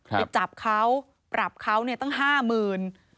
ไปจับเขาปรับเขาเนี่ยตั้ง๕๐๐๐บาท